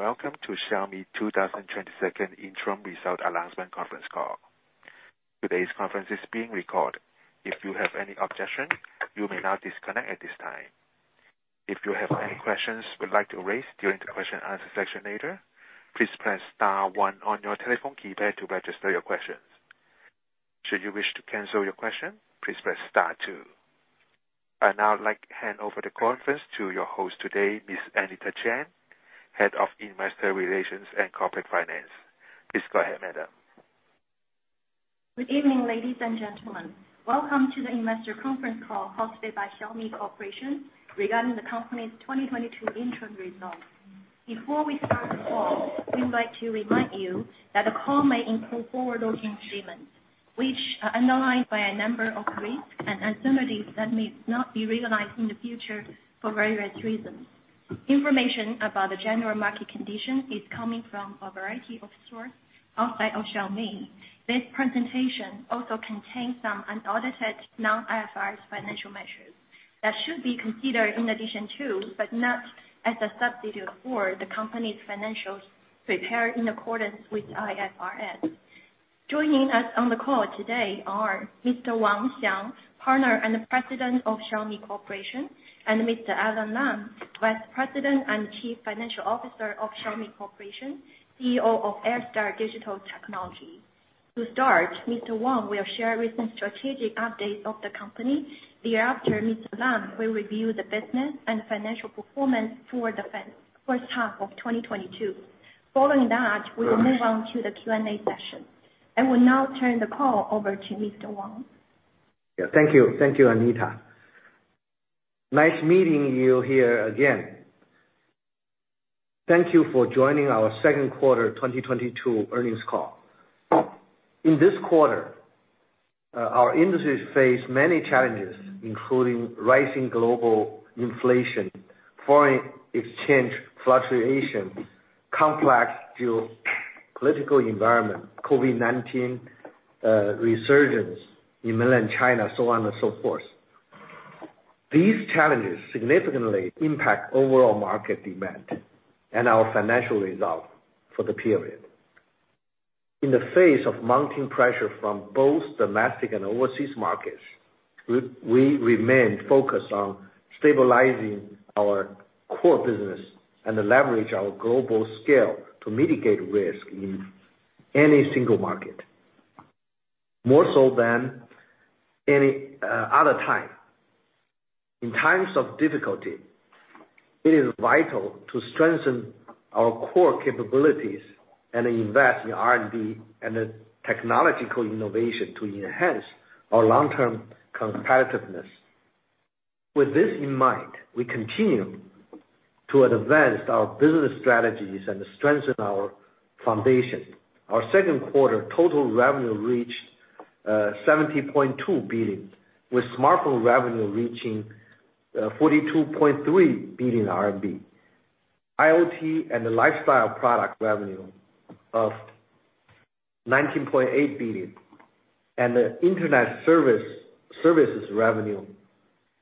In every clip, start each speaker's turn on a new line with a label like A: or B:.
A: Welcome to Xiaomi 2022 Interim Results Announcement Conference Call. Today's conference is being recorded. If you have any objection, you may now disconnect at this time. If you have any questions you would like to raise during the question and answer section later, please press star one on your telephone keypad to register your questions. Should you wish to cancel your question, please press star two. I'd now like to hand over the conference to your host today, Ms. Anita Chen, Head of Investor Relations and Corporate Finance. Please go ahead, madam.
B: Good evening, ladies and gentlemen. Welcome to the investor conference call hosted by Xiaomi Corporation regarding the company's 2022 interim results. Before we start the call, we would like to remind you that the call may include forward-looking statements, which are underlined by a number of risks and uncertainties that may not be realized in the future for various reasons. Information about the general market condition is coming from a variety of sources outside of Xiaomi. This presentation also contains some unaudited non-IFRS financial measures that should be considered in addition to, but not as a substitute for, the company's financials prepared in accordance with IFRS. Joining us on the call today are Mr. Wang Xiang, Partner and President of Xiaomi Corporation, and Mr. Alain Lam, Vice President and Chief Financial Officer of Xiaomi Corporation, CEO of Airstar Digital Technology. To start, Mr. Wang will share recent strategic updates of the company. Thereafter, Mr. Lam will review the business and financial performance for the first half of 2022. Following that, we will move on to the Q&A session. I will now turn the call over to Mr. Wang.
C: Yeah. Thank you. Thank you, Anita. Nice meeting you here again. Thank you for joining our Q2 2022 earnings call. In this quarter, our industry has faced many challenges, including rising global inflation, foreign exchange fluctuations, complex geopolitical environment, COVID-19, resurgence in Mainland China, so on and so forth. These challenges significantly impact overall market demand and our financial results for the period. In the face of mounting pressure from both domestic and overseas markets, we remain focused on stabilizing our core business and leverage our global scale to mitigate risk in any single market more so than any other time. In times of difficulty, it is vital to strengthen our core capabilities and invest in R&D and technological innovation to enhance our long-term competitiveness. With this in mind, we continue to advance our business strategies and strengthen our foundation. Our Q2 total revenue reached 70.2 billion, with smartphone revenue reaching 42.3 billion RMB. IoT and lifestyle product revenue of 19.8 billion and internet services revenue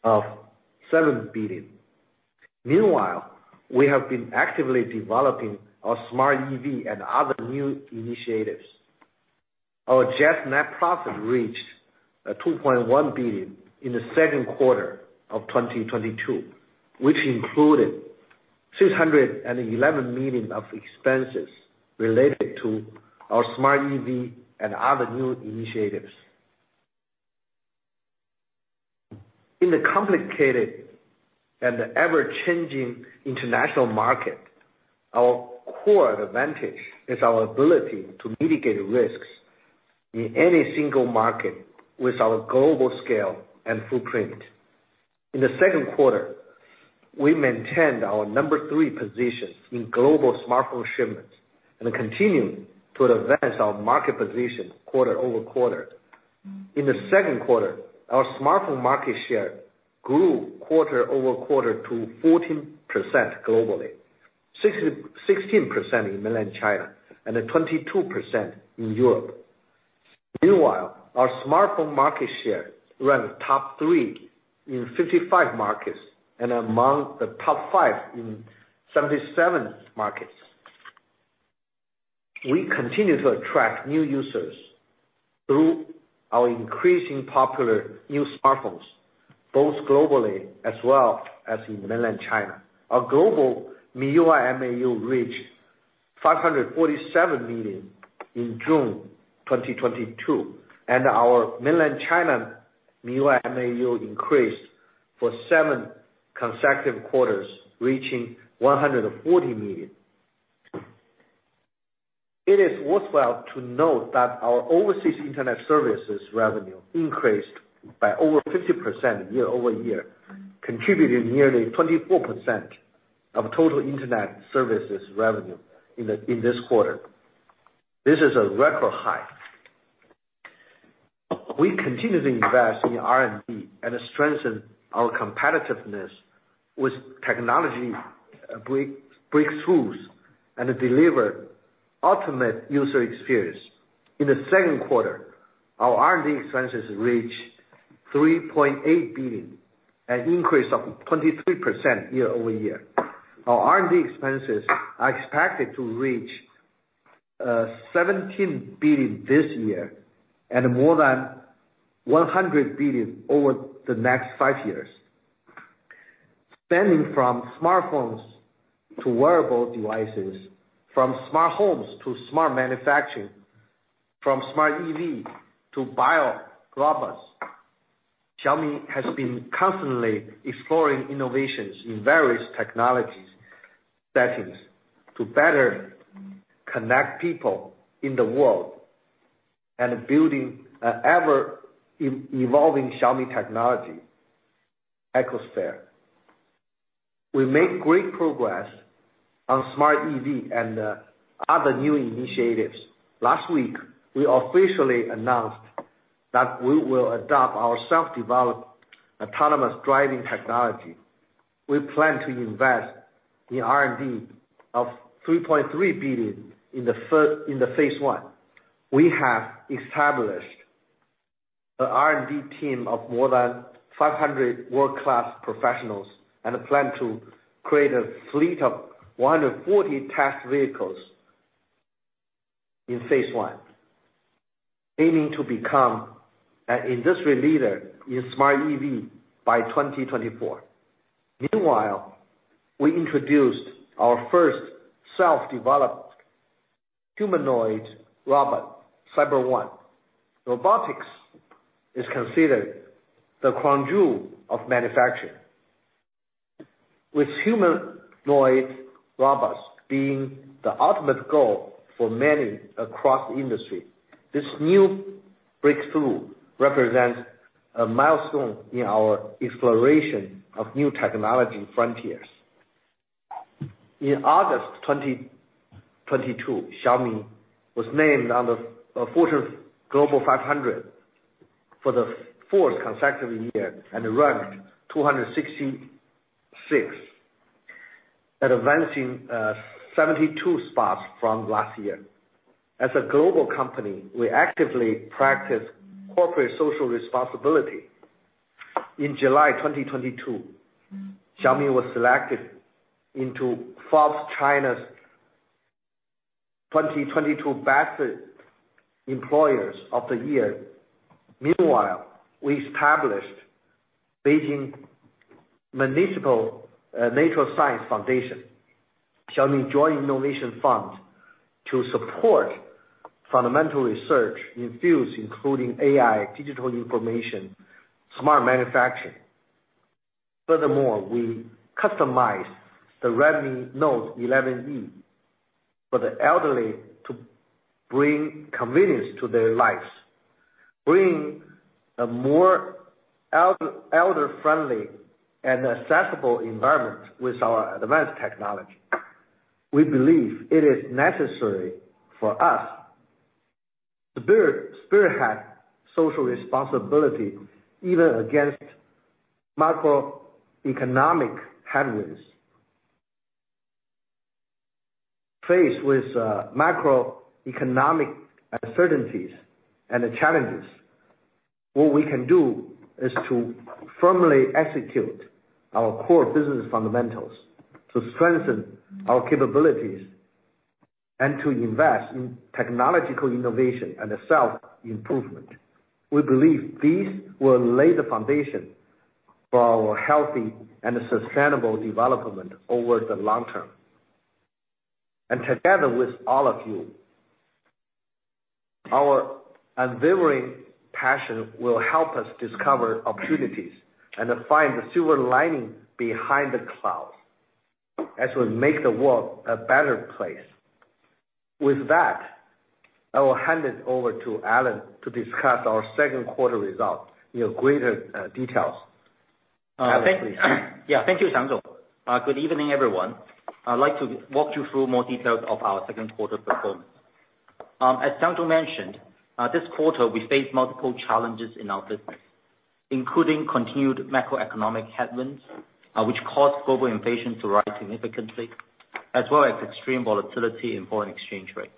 C: of 7 billion. Meanwhile, we have been actively developing our smart EV and other new initiatives. Our adjusted net profit reached 2.1 billion in the Q2 of 2022, which included 611 million of expenses related to our smart EV and other new initiatives. In the complicated and ever-changing international market, our core advantage is our ability to mitigate risks in any single market with our global scale and footprint. In the Q2, we maintained our number three position in global smartphone shipments and continued to advance our market position quarter-over-quarter. In the Q2, our smartphone market share grew quarter-over-quarter to 14% globally, 16% in Mainland China, and 22% in Europe. Meanwhile, our smartphone market share ranked top three in 55 markets and among the top five in 77 markets. We continue to attract new users through our increasingly popular new smartphones, both globally as well as in Mainland China. Our global MIUI MAU reached 547,000,000 in June 2022, and our Mainland China MIUI MAU increased for seven consecutive quarters, reaching 140,000,000. It is worthwhile to note that our overseas internet services revenue increased by over 50% year-over-year, contributing nearly 24% of total internet services revenue in this quarter. This is a record high. We continue to invest in R&D and strengthen our competitiveness with technology breakthroughs and deliver ultimate user experience. In the Q2, our R&D expenses reached 3.8 billion, an increase of 23% year-over-year. Our R&D expenses are expected to reach 17 billion this year and more than 100 billion over the next five years. Spending from smartphones to wearable devices, from smart homes to smart manufacturing, from smart EV to bio robots, Xiaomi has been constantly exploring innovations in various technology settings to better connect people in the world and building an ever-evolving Xiaomi technology ecosphere. We make great progress on smart EV and other new initiatives. Last week, we officially announced that we will adopt our self-developed autonomous driving technology. We plan to invest in R&D of 3.3 billion in phase I. We have established a R&D team of more than 500 world-class professionals and plan to create a fleet of 140 test vehicles in phase I, aiming to become an industry leader in smart EV by 2024. Meanwhile, we introduced our first self-developed humanoid robot, CyberOne. Robotics is considered the crown jewel of manufacturing. With humanoid robots being the ultimate goal for many across the industry, this new breakthrough represents a milestone in our exploration of new technology frontiers. In August 2022, Xiaomi was named on the Fortune Global 500 for the fourth consecutive year and ranked 266, advancing 72 spots from last year. As a global company, we actively practice corporate social responsibility. In July 2022, Xiaomi was selected into Forbes China's 2022 Best Employers of the Year. Meanwhile, we established Beijing Municipal Natural Science Foundation, Xiaomi Joint Innovation Fund, to support fundamental research in fields including AI, digital information, smart manufacturing. Furthermore, we customized the Redmi Note 11E for the elderly to bring convenience to their lives, bringing a more elder-friendly and accessible environment with our advanced technology. We believe it is necessary for us to bear the spirit of social responsibility even against macroeconomic headwinds. Faced with macroeconomic uncertainties and challenges, what we can do is to firmly execute our core business fundamentals, to strengthen our capabilities and to invest in technological innovation and self-improvement. We believe these will lay the foundation for our healthy and sustainable development over the long term. Together with all of you, our unwavering passion will help us discover opportunities and to find the silver lining behind the cloud as we make the world a better place. With that, I will hand it over to Alain to discuss our Q2 results in greater details. Alain, please.
D: Yeah. Thank you, Wang Xiang. Good evening, everyone. I'd like to walk you through more details of our Q2 performance. As Wang Xiang mentioned, this quarter we faced multiple challenges in our business, including continued macroeconomic headwinds, which caused global inflation to rise significantly, as well as extreme volatility in foreign exchange rates.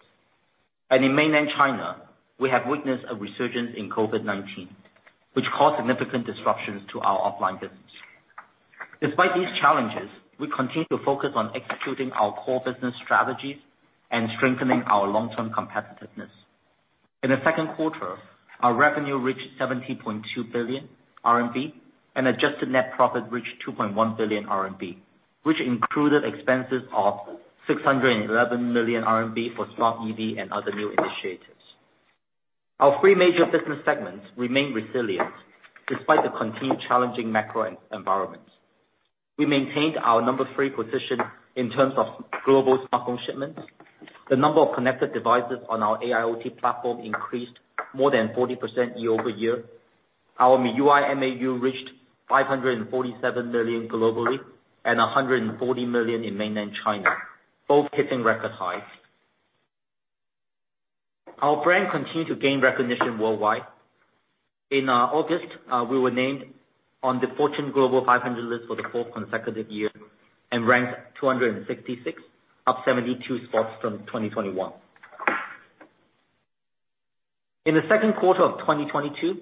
D: In Mainland China, we have witnessed a resurgence in COVID-19, which caused significant disruptions to our offline business. Despite these challenges, we continue to focus on executing our core business strategies and strengthening our long-term competitiveness. In the Q2, our revenue reached 70.2 billion RMB, and adjusted net profit reached 2.1 billion RMB, which included expenses of 611 million RMB for smart EV and other new initiatives. Our three major business segments remain resilient despite the continued challenging macro environment. We maintained our number three position in terms of global smartphone shipments. The number of connected devices on our AIoT platform increased more than 40% year-over-year. Our MIUI MAU reached 547,000,000 globally and 140,000,000 in Mainland China, both hitting record highs. Our brand continued to gain recognition worldwide. In August, we were named on the Fortune Global 500 list for the fourth consecutive year and ranked 266, up 72 spots from 2021. In the Q2 of 2022,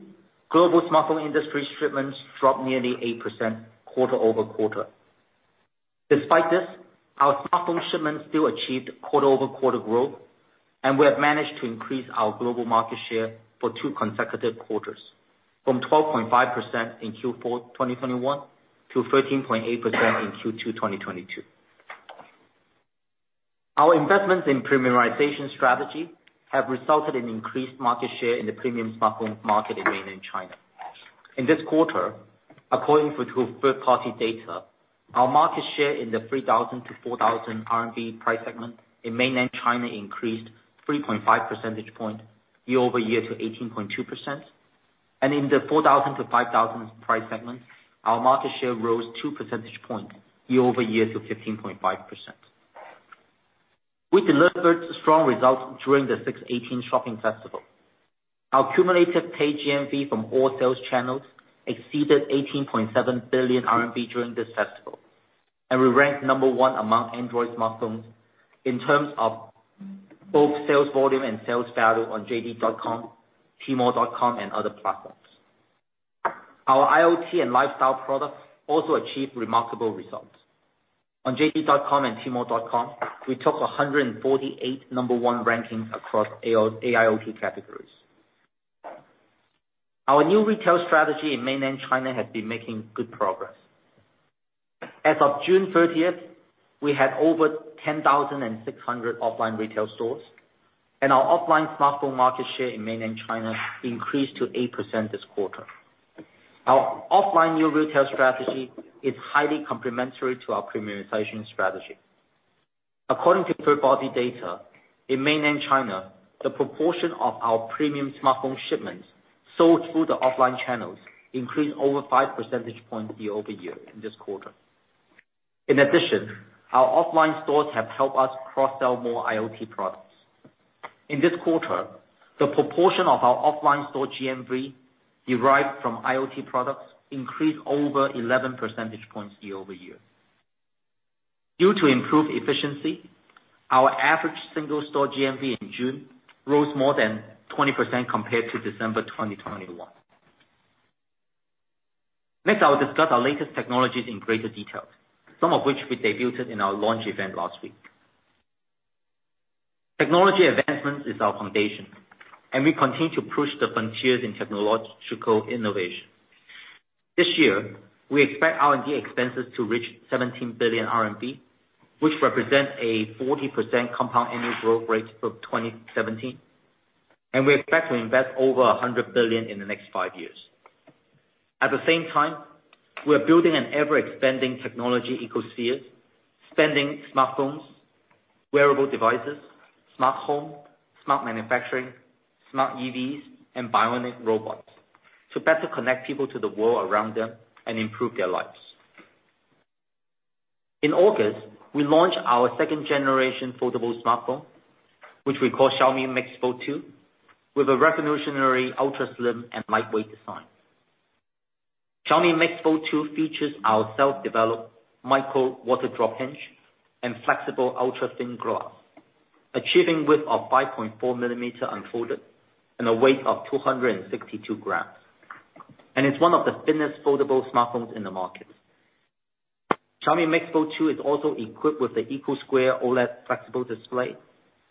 D: global smartphone industry shipments dropped nearly 8% quarter-over-quarter. Despite this, our smartphone shipments still achieved quarter-over-quarter growth, and we have managed to increase our global market share for two consecutive quarters, from 12.5% in Q4 2021 to 13.8% in Q2 2022. Our investments in premiumization strategy have resulted in increased market share in the premium smartphone market in Mainland China. In this quarter, according to two third-party data, our market share in the 3,000-4,000 RMB price segment in Mainland China increased 3.5 percentage point year-over-year to 18.2%. In the 4,000-5,000 price segment, our market share rose 2 percentage points year-over-year to 15.5%. We delivered strong results during the 618 shopping festival. Our cumulative paid GMV from all sales channels exceeded 18.7 billion RMB during this festival, and we ranked number one among Android smartphones in terms of both sales volume and sales value on JD.com, Tmall.com, and other platforms. Our IoT and lifestyle products also achieved remarkable results. On JD.com and Tmall.com, we took 148 number one rankings across AIoT categories. Our new retail strategy in Mainland China has been making good progress. As of June 30, we had over 10,600 offline retail stores, and our offline smartphone market share in Mainland China increased to 8% this quarter. Our offline new retail strategy is highly complementary to our premiumization strategy. According to third-party data, in Mainland China, the proportion of our premium smartphone shipments sold through the offline channels increased over 5 percentage points year-over-year in this quarter. In addition, our offline stores have helped us cross-sell more IoT products. In this quarter, the proportion of our offline store GMV derived from IoT products increased over 11 percentage points year-over-year. Due to improved efficiency, our average single store GMV in June rose more than 20% compared to December 2021. Next, I'll discuss our latest technologies in greater detail, some of which we debuted in our launch event last week. Technology advancement is our foundation, and we continue to push the frontiers in technological innovation. This year, we expect R&D expenses to reach 17 billion RMB, which represents a 40% compound annual growth rate from 2017, and we expect to invest over 100 billion in the next five years. At the same time, we're building an ever-expanding technology ecosphere, spanning smartphones, wearable devices, smart home, smart manufacturing, smart EVs, and bionic robots to better connect people to the world around them and improve their lives. In August, we launched our second-generation foldable smartphone, which we call Xiaomi MIX Fold 2, with a revolutionary ultra-slim and lightweight design. Xiaomi MIX Fold 2 features our self-developed micro water drop hinge and flexible ultra-thin glass, achieving width of 5.4 mm unfolded and a weight of 262 grams. It's one of the thinnest foldable smartphones in the market. Xiaomi MIX Fold 2 is also equipped with the Eco² OLED flexible display,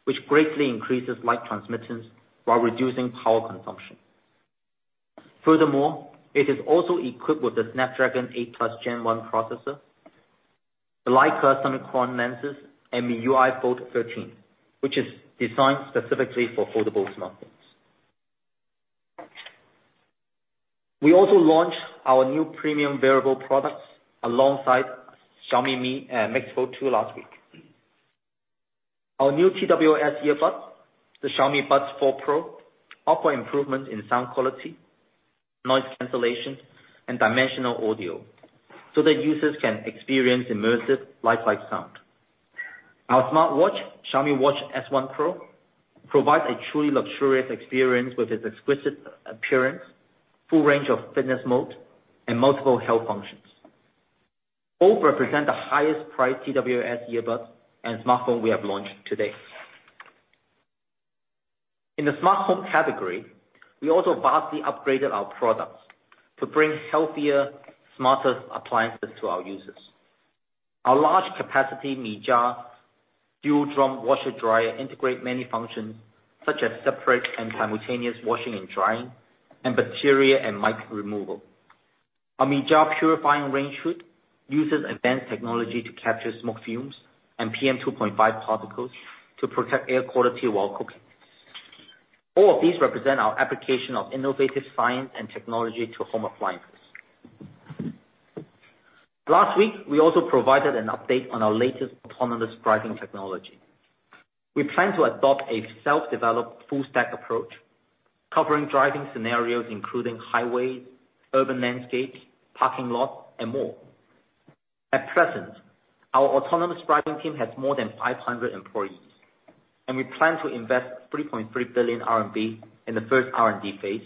D: which greatly increases light transmittance while reducing power consumption. Furthermore, it is also equipped with the Snapdragon 8+ Gen 1 processor, the Leica Summicron lenses, and the MIUI 13, which is designed specifically for foldable smartphones. We also launched our new premium wearable products alongside Xiaomi MIX Fold 2 last week. Our new TWS earbud, the Xiaomi Buds 4 Pro, offer improvement in sound quality, noise cancellation, and dimensional audio, so that users can experience immersive lifelike sound. Our smartwatch, Xiaomi Watch S1 Pro, provides a truly luxurious experience with its exquisite appearance, full range of fitness mode, and multiple health functions. Both represent the highest priced TWS earbud and smartphone we have launched to date. In the smartphone category, we also vastly upgraded our products to bring healthier, smarter appliances to our users. Our large capacity Mijia dual drum washer dryer integrate many functions, such as separate and simultaneous washing and drying and bacteria and mite removal. Our Mijia purifying range hood uses advanced technology to capture smoke fumes and PM2.5 particles to protect air quality while cooking. All of these represent our application of innovative science and technology to home appliances. Last week, we also provided an update on our latest autonomous driving technology. We plan to adopt a self-developed full stack approach, covering driving scenarios including highway, urban landscape, parking lot, and more. At present, our autonomous driving team has more than 500 employees, and we plan to invest 3.3 billion RMB in the first R&D phase,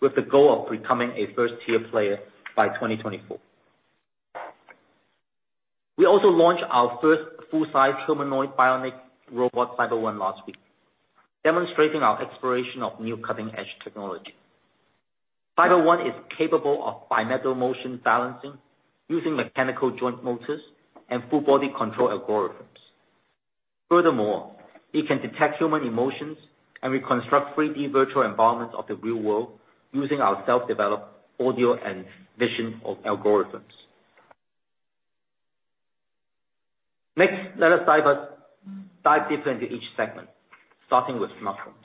D: with the goal of becoming a first-tier player by 2024. We also launched our first full-size humanoid bionic robot, CyberOne last week, demonstrating our exploration of new cutting-edge technology. CyberOne is capable of bipedal motion balancing using mechanical joint motors and full-body control algorithms. Furthermore, it can detect human emotions and reconstruct 3D virtual environments of the real world using our self-developed audio and vision algorithms. Next, let us dive deeper into each segment, starting with smartphones.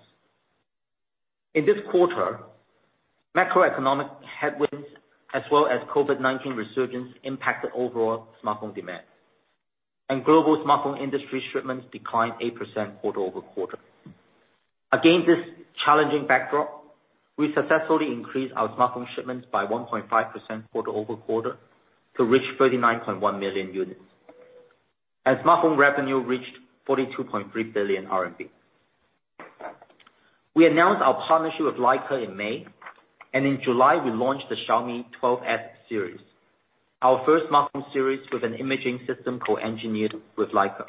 D: In this quarter, macroeconomic headwinds as well as COVID-19 resurgence impacted overall smartphone demand. Global smartphone industry shipments declined 8% quarter-over-quarter. Against this challenging backdrop, we successfully increased our smartphone shipments by 1.5% quarter-over-quarter to reach 39,100,000 million units. Smartphone revenue reached 42.3 billion RMB. We announced our partnership with Leica in May, and in July, we launched the Xiaomi 12S series, our first smartphone series with an imaging system co-engineered with Leica.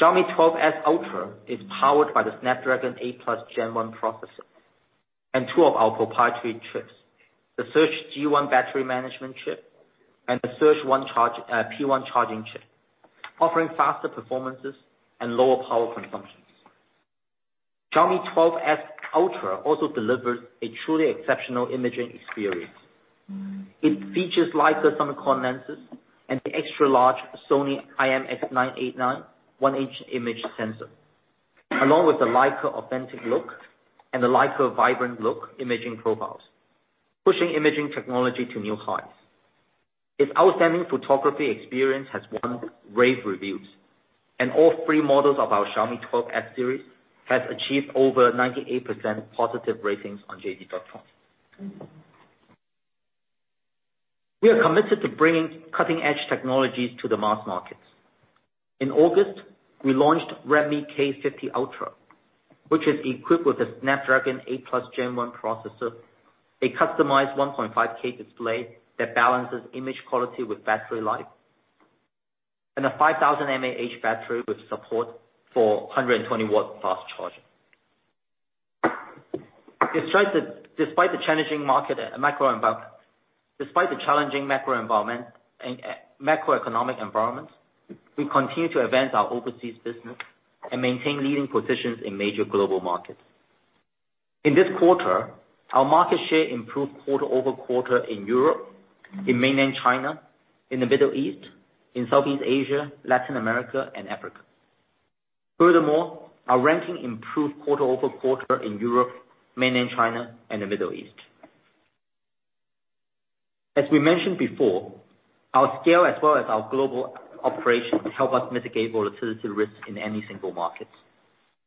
D: Xiaomi 12S Ultra is powered by the Snapdragon 8+ Gen 1 processor and two of our proprietary chips, the Surge G1 battery management chip and the Surge P1 charging chip, offering faster performances and lower power consumption. Xiaomi 12S Ultra also delivers a truly exceptional imaging experience. It features Leica Summicron lenses and the extra-large Sony IMX989 one-inch image sensor, along with the Leica Authentic Look and the Leica Vibrant Look imaging profiles, pushing imaging technology to new heights. Its outstanding photography experience has won rave reviews, and all three models of our Xiaomi 12S series has achieved over 98% positive ratings on JD.com. We are committed to bringing cutting-edge technologies to the mass markets. In August, we launched Redmi K50 Ultra, which is equipped with a Snapdragon 8+ Gen 1 processor, a customized 1.5K display that balances image quality with battery life, and a 5000 mAh battery with support for 120-watt fast charging. Despite the challenging market and macro environment. Despite the challenging macro environment and macroeconomic environment, we continue to advance our overseas business and maintain leading positions in major global markets. In this quarter, our market share improved quarter-over-quarter in Europe, in mainland China, in the Middle East, in Southeast Asia, Latin America and Africa. Furthermore, our ranking improved quarter-over-quarter in Europe, mainland China and the Middle East. As we mentioned before, our scale as well as our global operations help us mitigate volatility risks in any single market.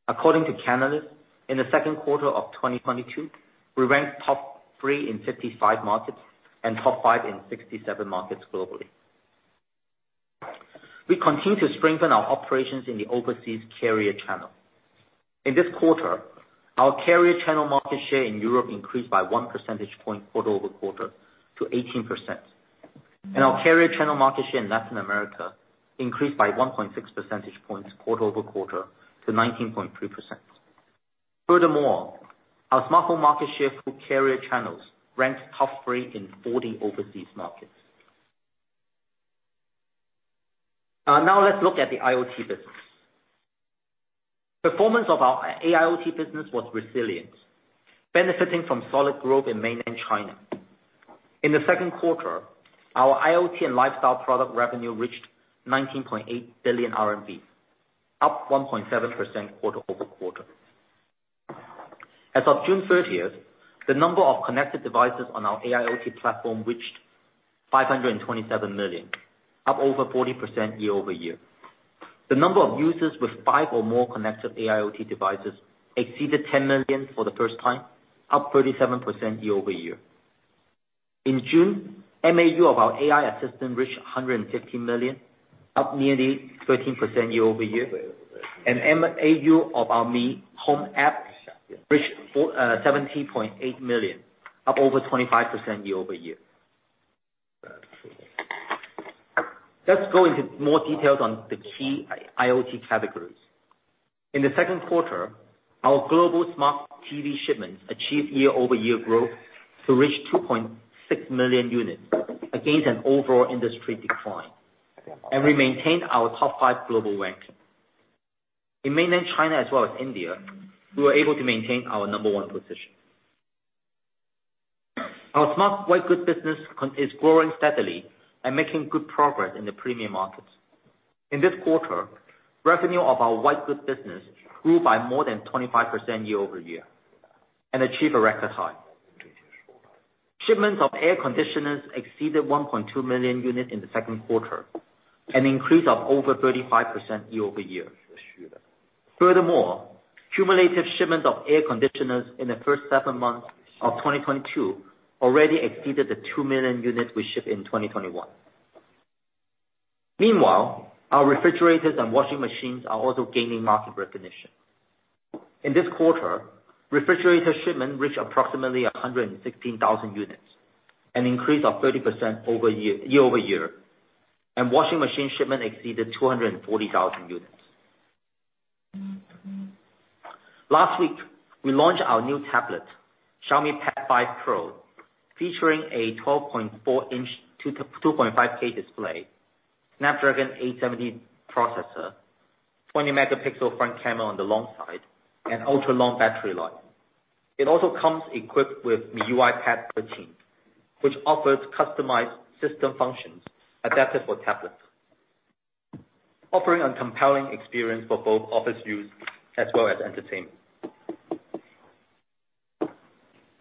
D: According to Canalys, in the Q2 of 2022, we ranked top three in 55 markets and top five in 67 markets globally. We continue to strengthen our operations in the overseas carrier channel. In this quarter, our carrier channel market share in Europe increased by one percentage point quarter-over-quarter to 18%. Our carrier channel market share in Latin America increased by 1.6 percentage points quarter-over-quarter to 19.3%. Furthermore, our smartphone market share through carrier channels ranked top three in 40 overseas markets. Now let's look at the IoT business. Performance of our AIoT business was resilient, benefiting from solid growth in mainland China. In the Q2, our IoT and lifestyle product revenue reached 19.8 billion RMB, up 1.7% quarter-over-quarter. As of June 30, the number of connected devices on our AIoT platform reached 527,000,000, up over 40% year-over-year. The number of users with 5 or more connected AIoT devices exceeded 10,000,000 for the first time, up 37% year-over-year. In June, MAU of our AI assistant reached 150,000,000, up nearly 13% year-over-year. MAU of our Mi Home app reached 470,800,000, up over 25% year-over-year. Let's go into more details on the key IoT categories. In the Q2, our global smart TV shipments achieved year-over-year growth to reach 2,600,000 units against an overall industry decline. We maintained our top five global ranking. In Mainland China as well as India, we were able to maintain our number one position. Our smart white goods business is growing steadily and making good progress in the premium markets. In this quarter, revenue of our white goods business grew by more than 25% year-over-year and achieved a record high. Shipments of air conditioners exceeded 1,200,000 units in the Q2, an increase of over 35% year-over-year. Furthermore, cumulative shipments of air conditioners in the first seven months of 2022 already exceeded the 2,000,000 units we shipped in 2021. Meanwhile, our refrigerators and washing machines are also gaining market recognition. In this quarter, refrigerator shipment reached approximately 116,000 units, an increase of 30% year-over-year. Washing machine shipment exceeded 240,000 units. Last week, we launched our new tablet, Xiaomi Pad 5 Pro, featuring a 12.4-inch 2.5K display, Snapdragon 870 processor, 20-megapixel front camera on the long side, and ultra long battery life. It also comes equipped with the MIUI 13 Pad, which offers customized system functions adapted for tablets, offering a compelling experience for both office use as well as entertainment.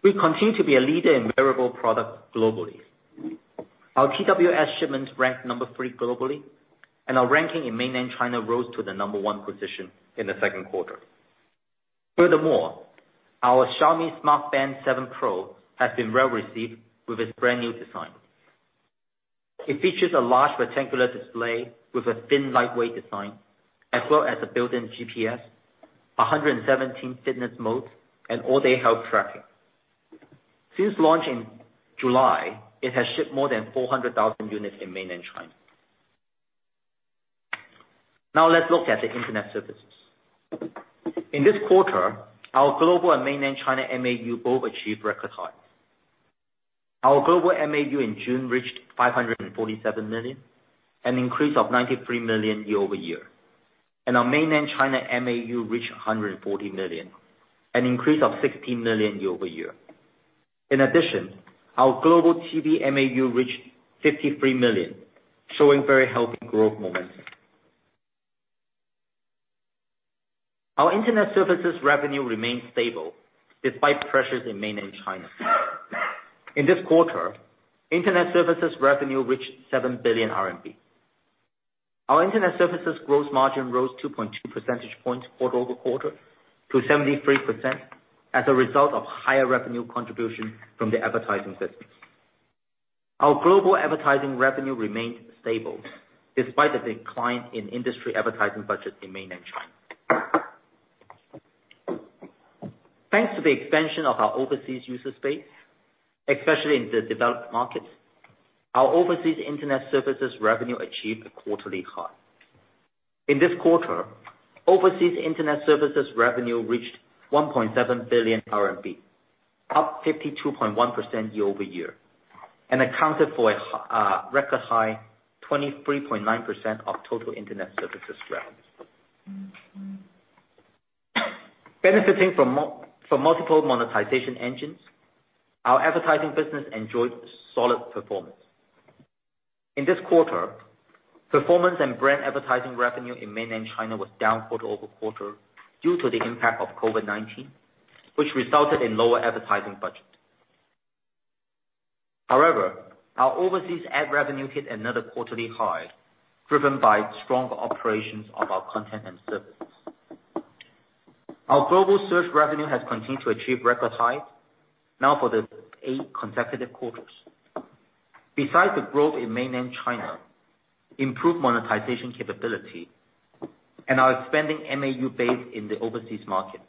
D: We continue to be a leader in wearable product globally. Our TWS shipments ranked number three globally, and our ranking in Mainland China rose to the number one position in the Q2. Furthermore, our Xiaomi Smart Band 7 Pro has been well received with its brand-new design. It features a large rectangular display with a thin, lightweight design, as well as a built-in GPS, 117 fitness mode, and all-day health tracking. Since launch in July, it has shipped more than 400,000 units in Mainland China. Now let's look at the internet services. In this quarter, our global and mainland China MAU both achieved record highs. Our global MAU in June reached 547,000,000, an increase of 93,000,000 year-over-year. Our Mainland China MAU reached 140,000,000, an increase of 16,000,000 year-over-year. In addition, our global TV MAU reached 53,000,000, showing very healthy growth momentum. Our internet services revenue remained stable despite pressures in Mainland China. In this quarter, internet services revenue reached 7 billion RMB. Our internet services growth margin rose 2.2 percentage points quarter-over-quarter to 73% as a result of higher revenue contribution from the advertising business. Our global advertising revenue remained stable despite a decline in industry advertising budget in Mainland China. Thanks to the expansion of our overseas user space, especially in the developed markets, our overseas internet services revenue achieved a quarterly high. In this quarter, overseas internet services revenue reached 1.7 billion RMB, up 52.1% year-over-year, and accounted for a record high 23.9% of total internet services revenue. Benefiting from multiple monetization engines, our advertising business enjoyed solid performance. In this quarter, performance and brand advertising revenue in Mainland China was down quarter-over-quarter due to the impact of COVID-19, which resulted in lower advertising budget. However, our overseas ad revenue hit another quarterly high, driven by strong operations of our content and services. Our global search revenue has continued to achieve record highs now for the eight consecutive quarters. Besides the growth in Mainland China, improved monetization capability and our expanding MAU base in the overseas market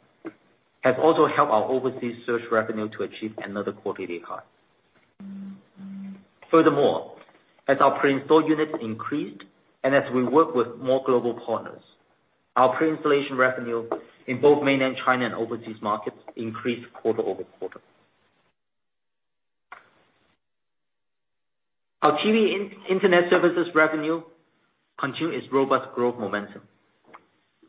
D: have also helped our overseas search revenue to achieve another quarterly high. Furthermore, as our pre-installed units increased, and as we work with more global partners, our pre-installation revenue in both Mainland China and overseas markets increased quarter-over-quarter. Our TV internet services revenue continued its robust growth momentum.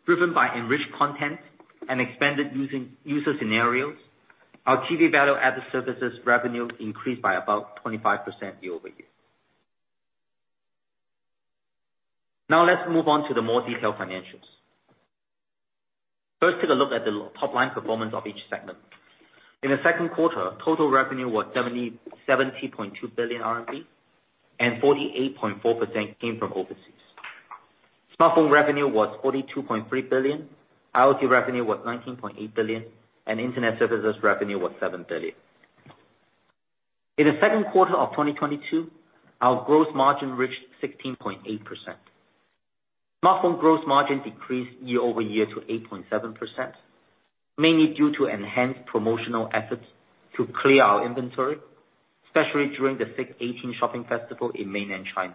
D: Driven by enriched content and expanded user scenarios, our TV value-added services revenue increased by about 25% year-over-year. Now let's move on to the more detailed financials. First, take a look at the topline performance of each segment. In the Q2, total revenue was 70.2 billion RMB, and 48.4% came from overseas. Smartphone revenue was 42.3 billion, IoT revenue was 19.8 billion, and internet services revenue was 7 billion. In the Q2 of 2022, our growth margin reached 16.8%. Smartphone gross margin decreased year-over-year to 8.7%, mainly due to enhanced promotional efforts to clear our inventory, especially during the 618 shopping festival in mainland China,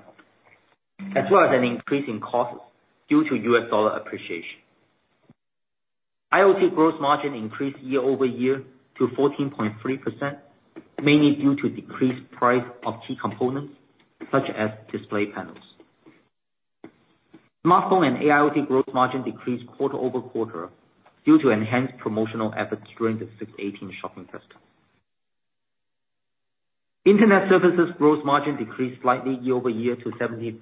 D: as well as an increase in costs due to U.S. dollar appreciation. IoT gross margin increased year-over-year to 14.3%, mainly due to decreased price of key components such as display panels. Smartphone and IoT gross margin decreased quarter-over-quarter due to enhanced promotional efforts during the 618 shopping festival. Internet services gross margin decreased slightly year-over-year to 73%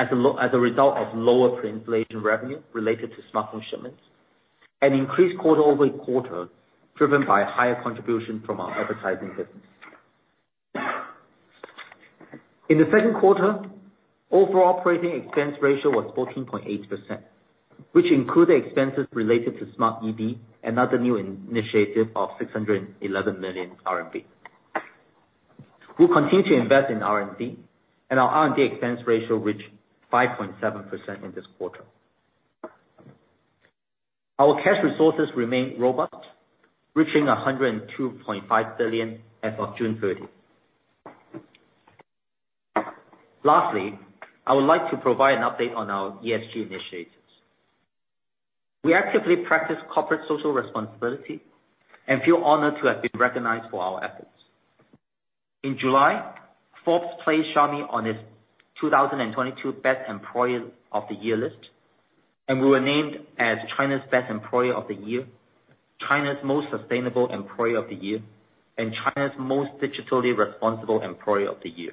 D: as a result of lower pre-installation revenue related to smartphone shipments and increased quarter-over-quarter, driven by higher contribution from our advertising business. In the Q2, overall operating expense ratio was 14.8%, which included expenses related to smart EV, another new initiative of 611 million RMB. We'll continue to invest in R&D, and our R&D expense ratio reached 5.7% in this quarter. Our cash resources remain robust, reaching 102.5 billion as of June 30. Lastly, I would like to provide an update on our ESG initiatives. We actively practice corporate social responsibility and feel honored to have been recognized for our efforts. In July, Forbes placed Xiaomi on its 2022 Best Employer of the Year list, and we were named as China's Best Employer of the Year, China's Most Sustainable Employer of the Year, and China's Most Digitally Responsible Employer of the Year.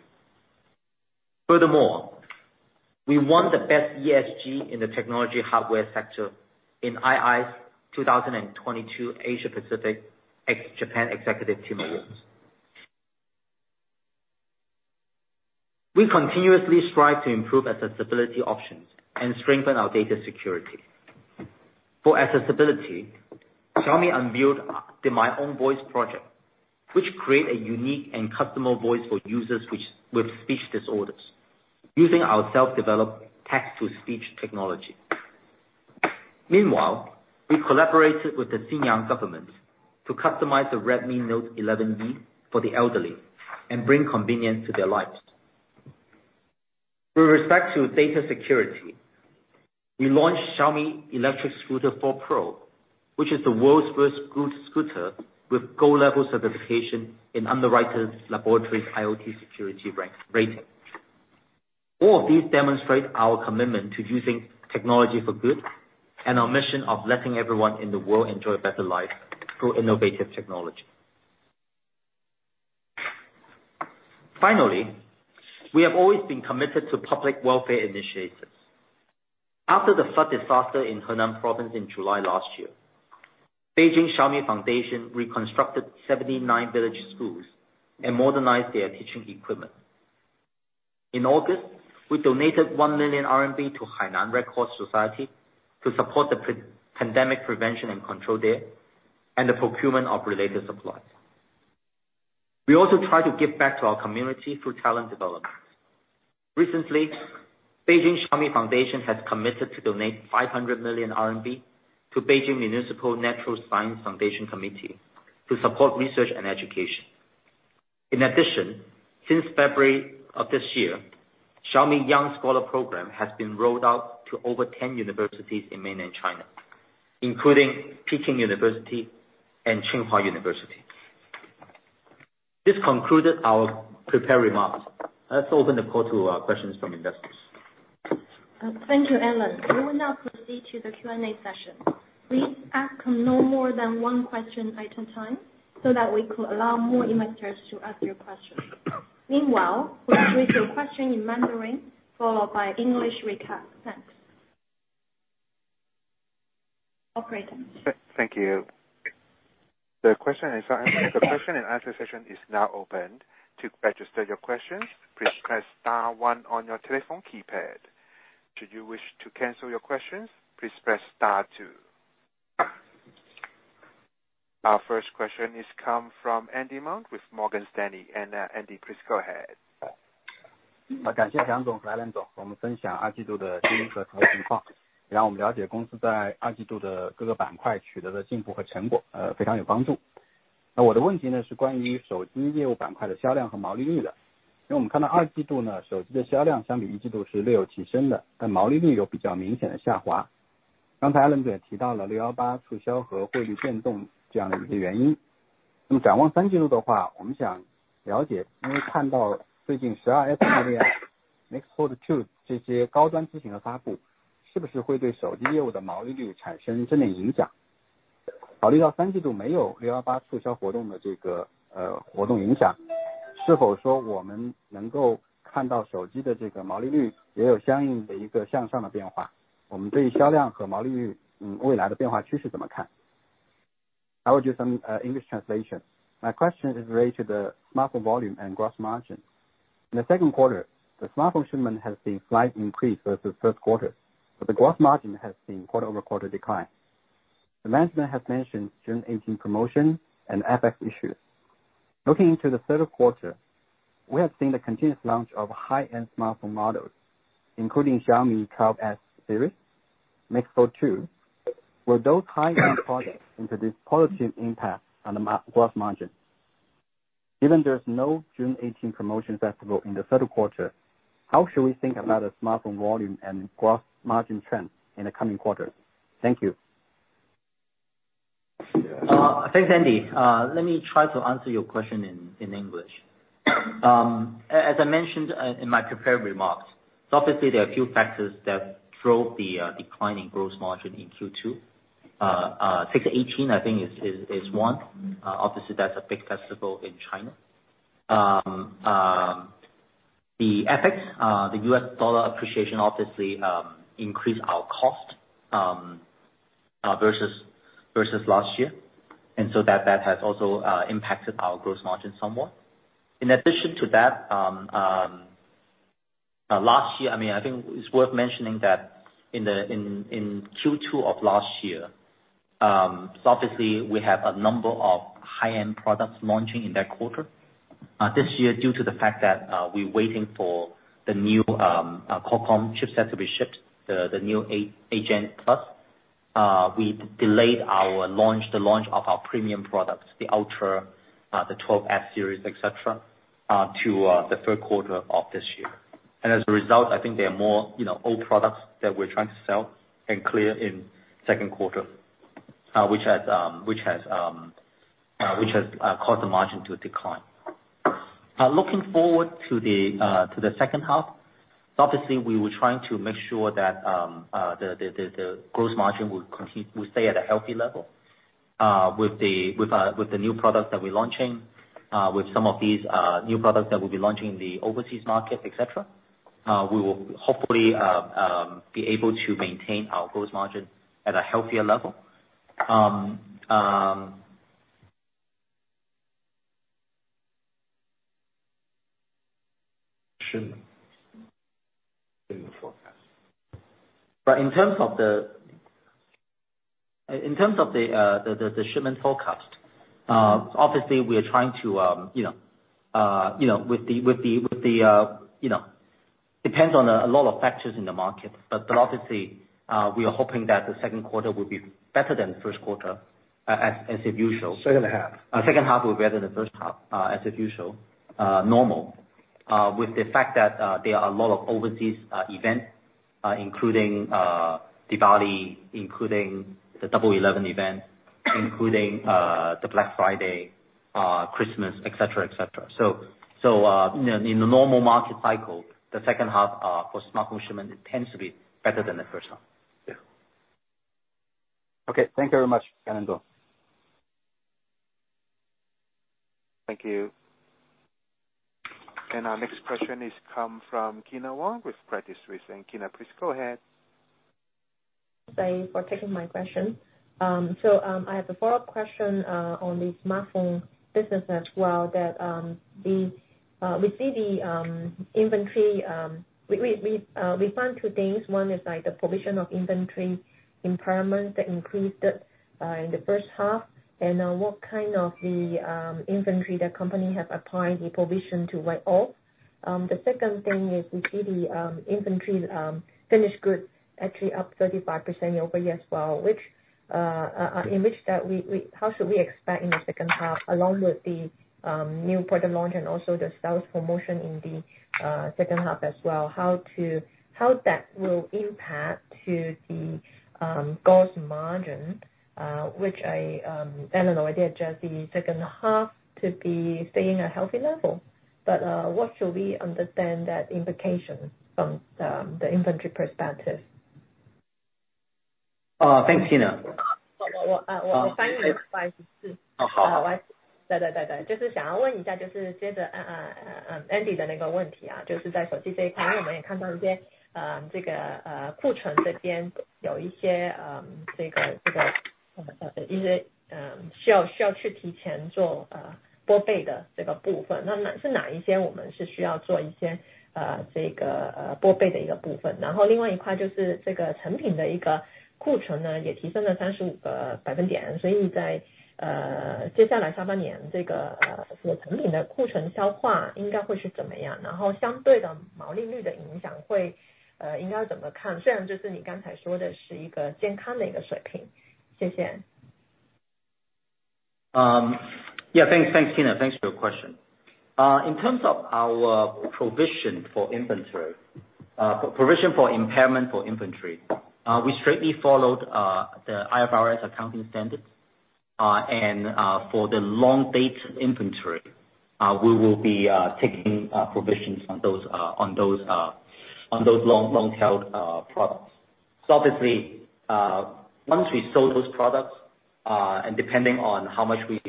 D: Furthermore, we won the Best ESG in the Technology Hardware Sector in Institutional Investor's 2022 Asia Pacific Japan Executive Team Awards. We continuously strive to improve accessibility options and strengthen our data security. For accessibility, Xiaomi unveiled the My Own Voice project, which create a unique and customizable voice for users which, with speech disorders using our self-developed text-to-speech technology. Meanwhile, we collaborated with the Xinyang government to customize the Redmi Note 11E for the elderly and bring convenience to their lives. With respect to data security, we launched Xiaomi Electric Scooter 4 Pro, which is the world's first scooter with gold-level certification in Underwriters Laboratories IoT security ranking. All of these demonstrate our commitment to using technology for good and our mission of letting everyone in the world enjoy a better life through innovative technology. Finally, we have always been committed to public welfare initiatives. After the flood disaster in Henan province in July last year, Beijing Xiaomi Foundation reconstructed 79 village schools and modernized their teaching equipment. In August, we donated 1 million RMB to Red Cross Society of China Hainan Branch to support the pre-pandemic prevention and control there and the procurement of related supplies. We also try to give back to our community through talent development. Recently, Beijing Xiaomi Foundation has committed to donate 500 million RMB to Beijing Municipal Natural Science Foundation to support research and education. In addition, since February of this year, Xiaomi Young Scholars has been rolled out to over 10 universities in mainland China, including Peking University and Tsinghua University. This concluded our prepared remarks. Let's open the call to questions from investors.
B: Thank you, Alain. We will now proceed to the Q&A session. Please ask no more than one question at a time so that we could allow more investors to ask their questions. Meanwhile, please state your question in Mandarin followed by English recap. Thanks. Operator.
A: Thank you. The question and answer session is now open. To register your questions, please press star one on your telephone keypad. Should you wish to cancel your questions, please press star two. Our first question comes from Andy Meng with Morgan Stanley. Andy, please go ahead.
E: I would do some English translation. My question is related to the smartphone volume and gross margin. In the Q2, the smartphone shipment has seen slight increase versus Q1, but the gross margin has seen quarter-over-quarter decline. The management has mentioned 618 promotion and FX issues. Looking into the Q3, we have seen the continuous launch of high-end smartphone models, including Xiaomi 12S series, Xiaomi MIX Fold 2. Will those high-end products introduce positive impact on the gross margin? Even there's no 618 promotion festival in the Q3, how should we think about a smartphone volume and gross margin trend in the coming quarters? Thank you.
D: Thanks, Andy. Let me try to answer your question in English. As I mentioned in my prepared remarks, obviously there are a few factors that drove the declining gross margin in Q2. 618, I think, is one. Obviously that's a big festival in China. The FX, the U.S. dollar appreciation obviously increased our cost versus last year. That has also impacted our gross margin somewhat. In addition to that, last year, I mean, I think it's worth mentioning that in Q2 of last year, so obviously we have a number of high-end products launching in that quarter. This year, due to the fact that we're waiting for the new Qualcomm chipset to be shipped, the new HN+, we delayed the launch of our premium products, the 12S Ultra, the 12S series, etc., to the third quarter of this year. As a result, I think there are more, you know, old products that we're trying to sell and clear in Q2, which has caused the margin to decline. Looking forward to the second half, obviously, we were trying to make sure that the gross margin would stay at a healthy level. With some of these new products that we'll be launching in the overseas market, et cetera, we will hopefully be able to maintain our gross margin at a healthier level.
C: Shipment in the forecast.
D: In terms of the shipment forecast, obviously we are trying to, you know, you know, with the, you know, depends on a lot of factors in the market. Obviously, we are hoping that the Q2 will be better than the Q1, as usual.
C: Second half.
D: Second half will be better than the first half, as usual, normal. With the fact that there are a lot of overseas events, including Diwali, including the Double 11 event, including the Black Friday, Christmas, et cetera, et cetera. You know, in the normal market cycle, the second half for smartphone shipment it tends to be better than the first half.
C: Yeah.
E: Okay. Thank you very much.
A: Thank you. Our next question comes from Kyna Wong with Credit Suisse. Kyna, please go ahead.
F: Thanks for taking my question. I have a follow-up question on the smartphone business as well that we see the inventory. We found two things. One is like the provision of inventory impairment that increased in the first half. What kind of inventory the company have applied the provision to write off? The second thing is we see the inventory finished goods actually up 35% year-over-year as well, which how should we expect in the second half along with the new product launch and also the sales promotion in the second half as well? How that will impact to the gross margin, which I don't know. I expect the second half to be staying a healthy level. What should we understand that implication from the inventory perspective?
D: Thanks, Kyna. Thanks for your question. In terms of our provision for inventory, provision for impairment for inventory, we strictly followed the IFRS accounting standards. For the long date inventory, we will be taking provisions on those long tail products. Obviously, once we sold those products, and depending on how much we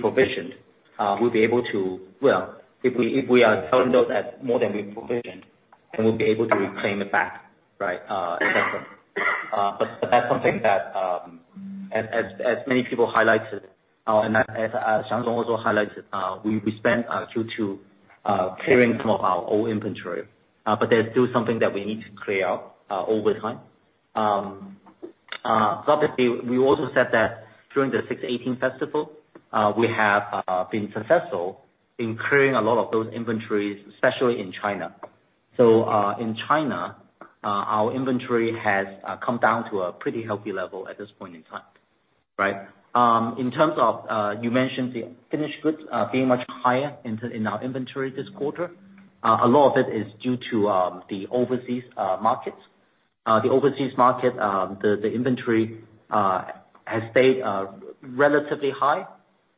D: provisioned, we'll be able to. Well, if we are selling those at more than we provisioned, then we'll be able to reclaim it back, right? Et cetera. That's something that, as many people highlighted, and as Wang Xiang also highlighted, we spent Q2 clearing some of our old inventory. There's still something that we need to clear out over time. Obviously we also said that during the 618 festival, we have been successful in clearing a lot of those inventories, especially in China. In China, our inventory has come down to a pretty healthy level at this point in time, right? In terms of, you mentioned the finished goods being much higher in our inventory this quarter. A lot of it is due to the overseas markets. The overseas market, the inventory has stayed relatively high.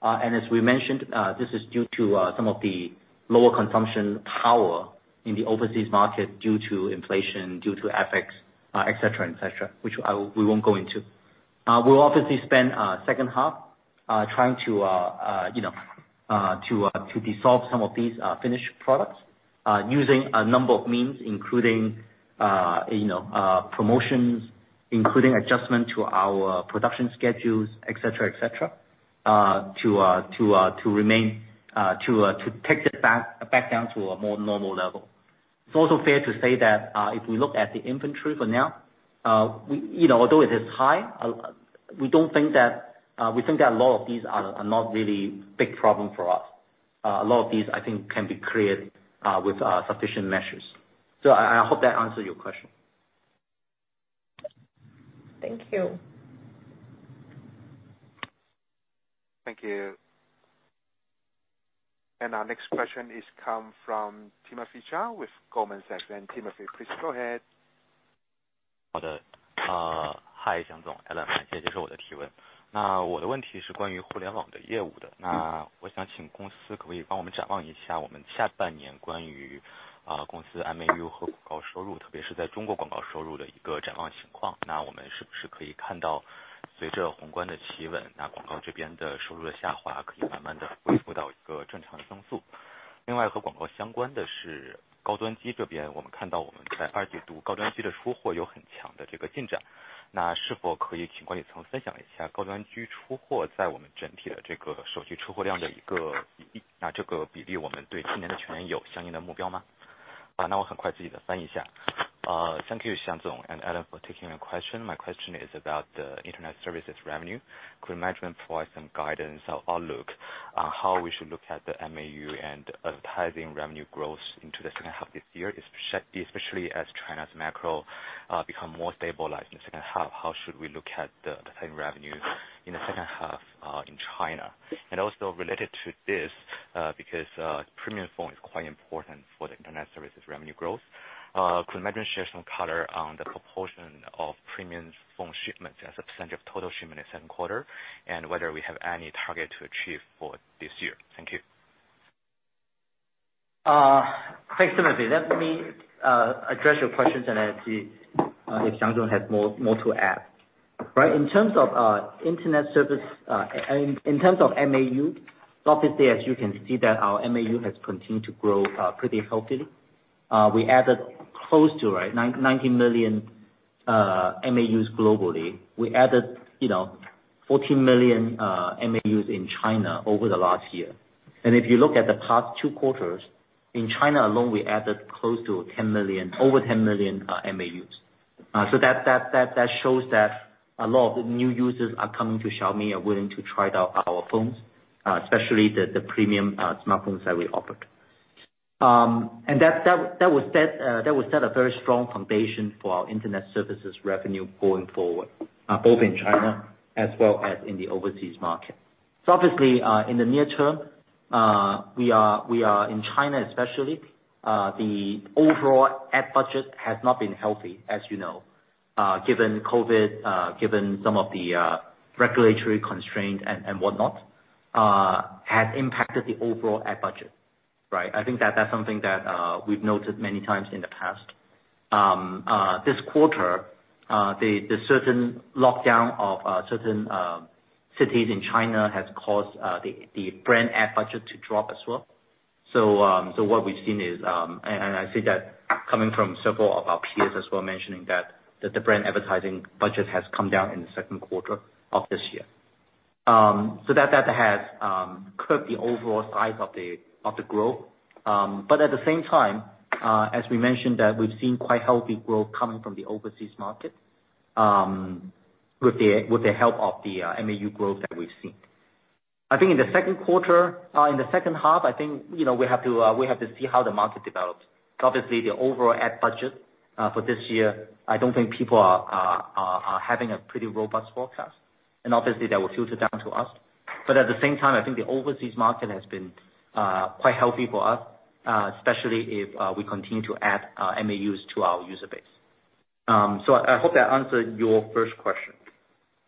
D: As we mentioned, this is due to some of the lower consumption power in the overseas market due to inflation, due to FX, et cetera, et cetera, which we won't go into. We'll obviously spend second half trying to, you know, dissolve some of these finished products using a number of means including, you know, promotions, including adjustment to our production schedules, et cetera, et cetera. To take that back down to a more normal level. It's also fair to say that if we look at the inventory for now, we, you know, although it is high, we don't think that we think that a lot of these are not really big problem for us. A lot of these I think can be cleared with sufficient measures. I hope that answered your question.
F: Thank you.
A: Thank you. Our next question comes from Timothy Zhao with Goldman Sachs. Timothy, please go ahead.
G: Thank you, Wang Xiang and Alain for taking my question. My question is about the internet services revenue. Could management provide some guidance or outlook on how we should look at the MAU and advertising revenue growth into the second half this year, especially as China's macro become more stabilized in the second half? How should we look at the same revenue in the second half in China? Also related to this, because premium phone is quite important for the internet services revenue growth, could management share some color on the proportion of premium phone shipments as a percent of total shipment in Q2, and whether we have any target to achieve for this year? Thank you.
D: Thanks, Timothy. Let me address your questions, and I'll see if Wang Xiang has more to add. Right. In terms of internet service, and in terms of MAU, obviously as you can see that our MAU has continued to grow pretty healthy. We added close to 90,000,000 MAUs globally. We added, you know, 14,000,000 MAUs in China over the last year. If you look at the past two quarters, in China alone, we added close to 10,000,000, over 10,000,000 MAUs. So that shows that a lot of the new users are coming to Xiaomi are willing to try out our phones, especially the premium smartphones that we offered. That will set a very strong foundation for our internet services revenue going forward, both in China as well as in the overseas market. Obviously, in the near term, we are in China especially, the overall ad budget has not been healthy, as you know, given COVID, given some of the regulatory constraints and whatnot have impacted the overall ad budget, right? I think that's something that we've noted many times in the past. This quarter, the certain lockdown of certain cities in China has caused the brand ad budget to drop as well. What we've seen is, and I see that coming from several of our peers as well, mentioning that the brand advertising budget has come down in the Q2 of this year. That has curbed the overall size of the growth. At the same time, as we mentioned, we've seen quite healthy growth coming from the overseas market with the help of the MAU growth that we've seen. I think in the Q2, in the second half, I think, you know, we have to see how the market develops. Obviously, the overall ad budget for this year, I don't think people are having a pretty robust forecast, and obviously, that will filter down to us. At the same time, I think the overseas market has been quite healthy for us, especially if we continue to add MAUs to our user base. I hope that answered your first question.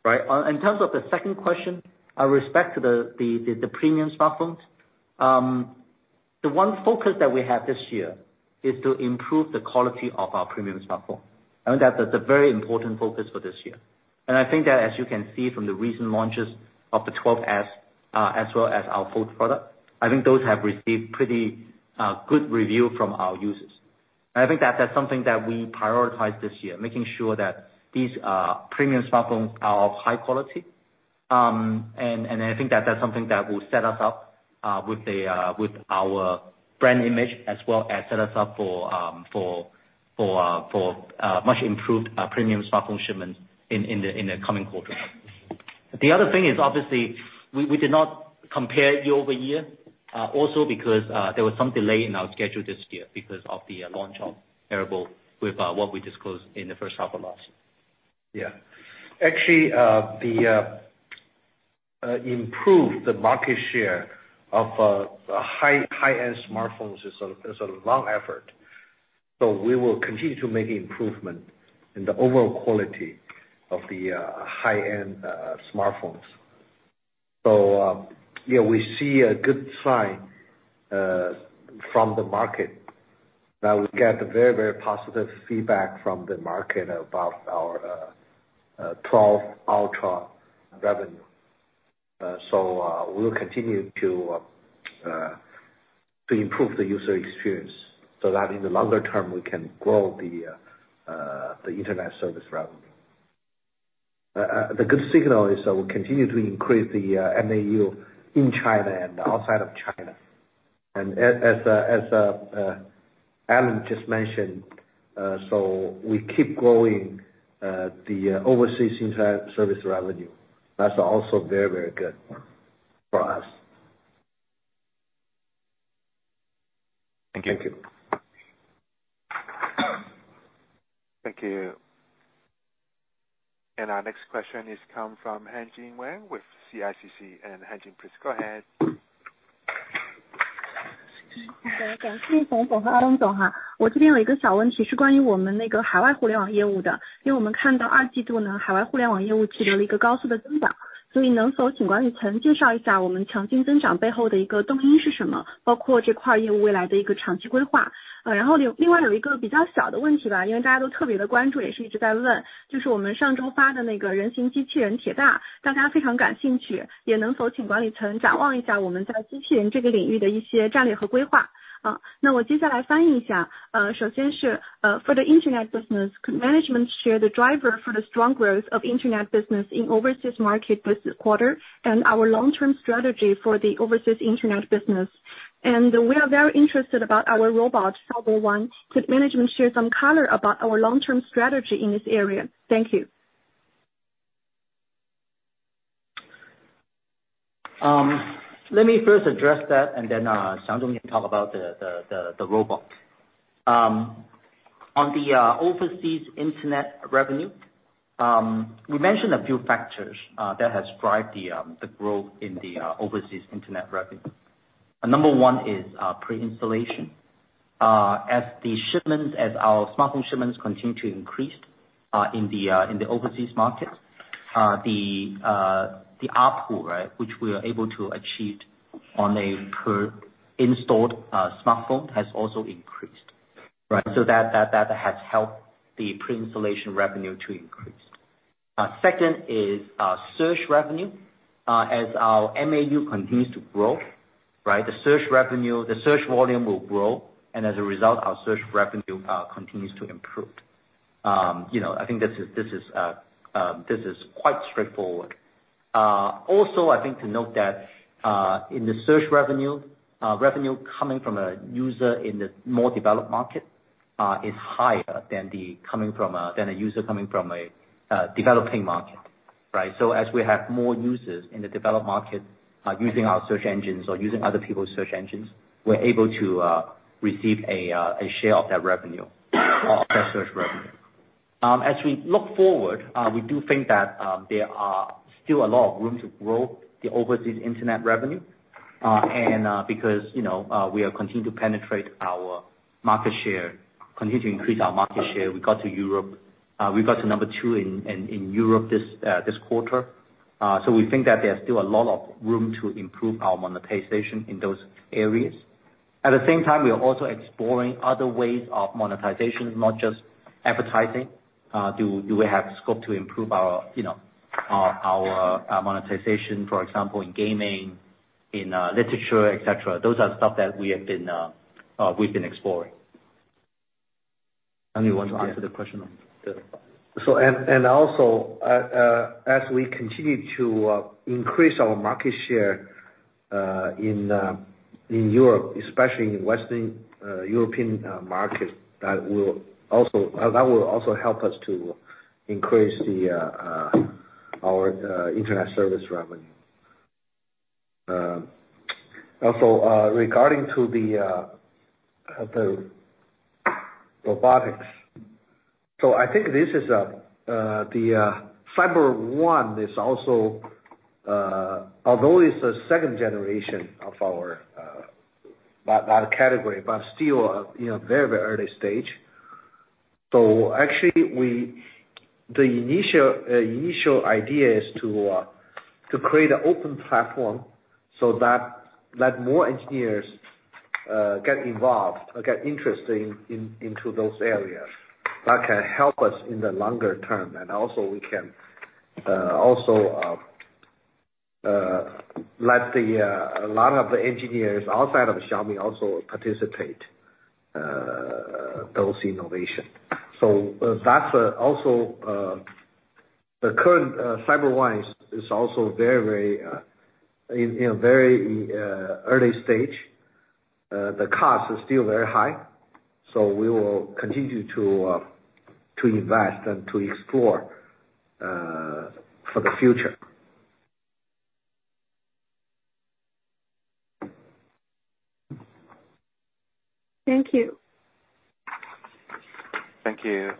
D: Right. In terms of the second question, with respect to the premium smartphones, the one focus that we have this year is to improve the quality of our premium smartphone. I think that's a very important focus for this year. I think that as you can see from the recent launches of the 12S, as well as our Fold product, I think those have received pretty good review from our users. I think that's something that we prioritize this year, making sure that these premium smartphones are of high quality. I think that's something that will set us up with our brand image as well as set us up for much improved premium smartphone shipments in the coming quarters. The other thing is obviously we did not compare year-over-year also because there was some delay in our schedule this year because of the launch of Airbook with what we disclosed in the first half of last year.
C: Actually, to improve the market share of high-end smartphones is a long effort. We will continue to make improvement in the overall quality of the high-end smartphones. We see a good sign from the market. Now we get very, very positive feedback from the market about our 12S Ultra revenue. We'll continue to To improve the user experience so that in the longer term, we can grow the internet service revenue. The good signal is that we continue to increase the MAU in China and outside of China. As Alain just mentioned, so we keep growing the overseas internet service revenue. That's also very, very good for us.
G: Thank you.
A: Thank you. Our next question comes from Hanjin Wang with CICC. Hanjin, please go ahead.
H: For the internet business, could management share the driver for the strong growth of internet business in overseas market this quarter and our long-term strategy for the overseas internet business? We are very interested about our robot, CyberOne. Could management share some color about our long-term strategy in this area? Thank you.
D: Let me first address that and then, Xiang can talk about the robot. On the overseas internet revenue, we mentioned a few factors that have driven the growth in the overseas internet revenue. Number one is pre-installation. As our smartphone shipments continue to increase in the overseas markets, the output, which we are able to achieve on a per installed smartphone has also increased, right? So that has helped the pre-installation revenue to increase. Second is search revenue. As our MAU continues to grow, right? The search revenue, the search volume will grow, and as a result, our search revenue continues to improve. You know, I think this is quite straightforward. Also, I think to note that in the search revenue coming from a user in the more developed market is higher than a user coming from a developing market, right? As we have more users in the developed market using our search engines or using other people's search engines, we're able to receive a share of that revenue, of that search revenue. As we look forward, we do think that there are still a lot of room to grow the overseas internet revenue. Because, you know, we are continuing to penetrate our market share, continue to increase our market share. We got to Europe. We got to number two in Europe this quarter. We think that there's still a lot of room to improve our monetization in those areas. At the same time, we are also exploring other ways of monetization, not just advertising. Do we have scope to improve our, you know, our monetization, for example, in gaming, in literature, et cetera? Those are stuff that we've been exploring.
C: Alain, you want to answer the question on the- As we continue to increase our market share in Europe, especially in Western European markets, that will also help us to increase our internet service revenue. Also, regarding the robotics. I think the CyberOne is also, although it's a second generation of our that category, but still, you know, very early stage. Actually the initial idea is to create an open platform so that let more engineers get involved or get interested into those areas. That can help us in the longer term. We can also let a lot of the engineers outside of Xiaomi also participate in those innovations. That's also the current CyberOne is also in a very early stage. The cost is still very high, so we will continue to invest and to explore for the future.
H: Thank you.
A: Thank you.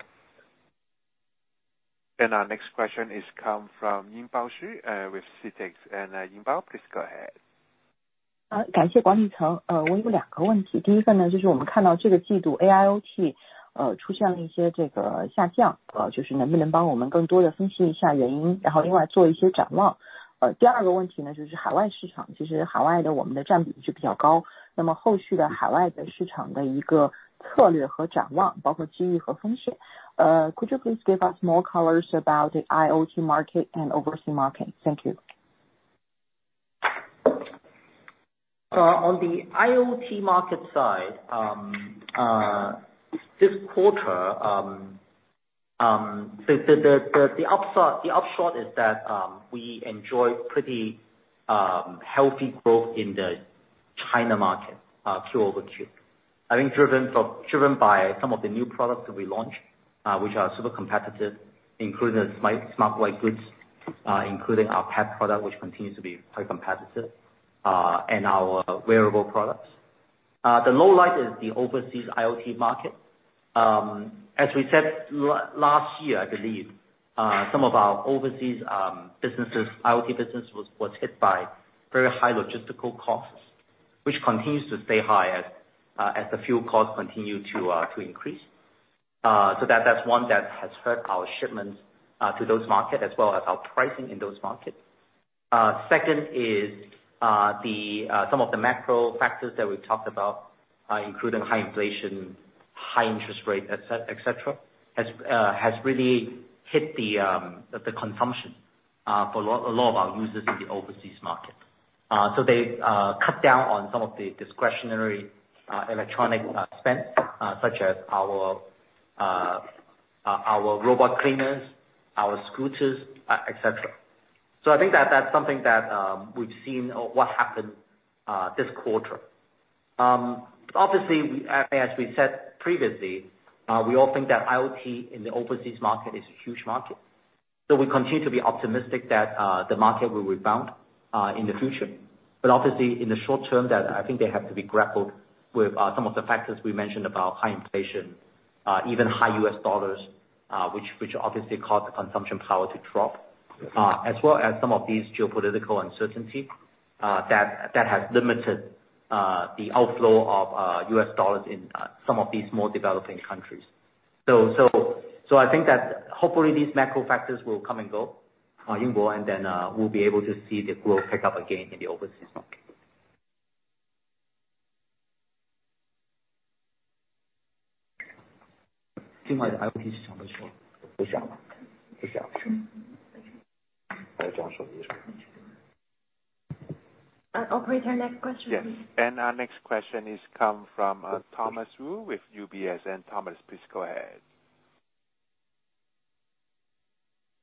A: Our next question comes from Yingbo Xu with CITIC and, Yingbo, please go ahead.
I: Could you please give us more colors about the IoT market and overseas market? Thank you.
D: On the IoT market side, this quarter, the upshot is that we enjoy pretty healthy growth in the China market, Q-over-Q. I think driven by some of the new products that we launched, which are super competitive, including smart white goods, including our pet product, which continues to be quite competitive, and our wearable products. The low light is the overseas IoT market. As we said last year, I believe, some of our overseas businesses, IoT business was hit by very high logistical costs, which continues to stay high as the fuel costs continue to increase. That's one that has hurt our shipments to those markets as well as our pricing in those markets. Second is some of the macro factors that we've talked about, including high inflation, high interest rate, etc., has really hit the consumption for a lot of our users in the overseas market. They cut down on some of the discretionary electronic spends, such as our robot cleaners, our scooters, etc. I think that's something that we've seen or what happened this quarter. Obviously, as we said previously, we all think that IoT in the overseas market is a huge market. We continue to be optimistic that the market will rebound in the future. Obviously, in the short term, I think they have to be grappled with some of the factors we mentioned about high inflation, even high U.S. dollars, which obviously caused the purchasing power to drop, as well as some of these geopolitical uncertainty that has limited the outflow of U.S. dollars in some of these major developing countries. I think that hopefully these macro factors will come and go, and then we'll be able to see the growth pick up again in the overseas market.
B: Operator, next question please.
A: Yes. Our next question comes from Thomas Wu with UBS. Thomas, please go ahead.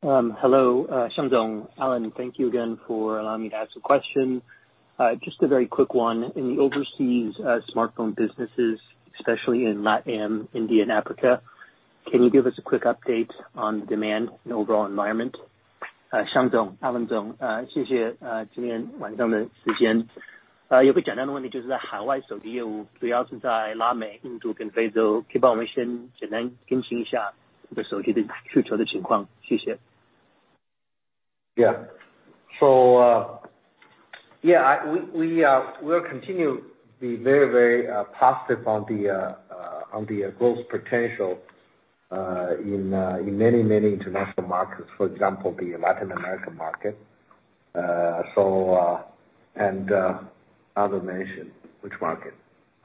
J: Hello, Wang Xiang, Alain, thank you again for allowing me to ask a question. Just a very quick one. In the overseas smartphone businesses, especially in LatAm, India and Africa, can you give us a quick update on demand and overall environment?
C: We'll continue to be very, very positive on the growth potential in many, many international markets, for example, the Latin American market. Other mention which market?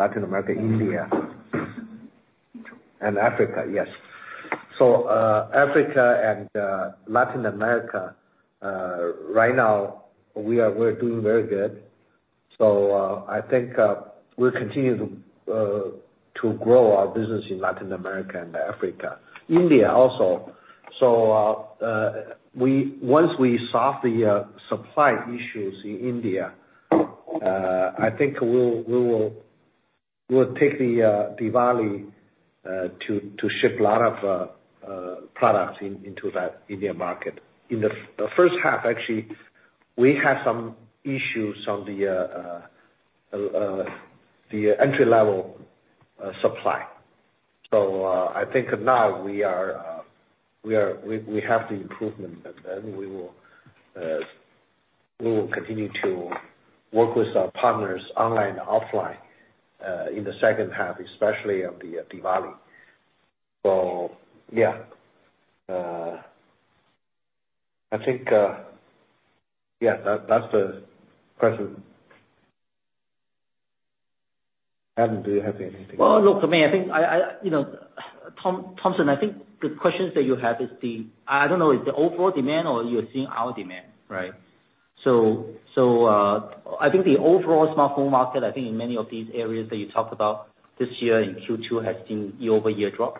C: Latin America, India, and Africa. Yes. Africa and Latin America, right now we're doing very good. I think we'll continue to grow our business in Latin America and Africa. India also. Once we solve the supply issues in India, I think we'll take the Diwali to ship a lot of products into that India market. In the first half, actually, we had some issues on the entry level supply.I think now we have the improvement and then we will continue to work with our partners online, offline, in the second half, especially on the Diwali. Yeah. I think yeah, that's the question. Alain, do you have anything?
D: Well, look for me, I think, you know, Thompson, I think the questions that you have is the—I don't know—is the overall demand or you're seeing our demand, right? I think the overall smartphone market, I think in many of these areas that you talked about this year in Q2 has seen year-over-year drop,